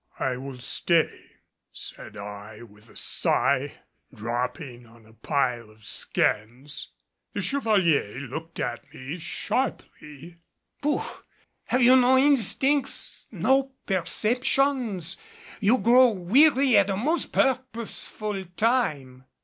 "I will stay," said I with a sigh, dropping on a pile of skins. The Chevalier looked at me sharply. "Pouf! Have you no instincts no perceptions? You grow weary at a most purposeful time!"